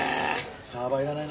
サーバーいらないな。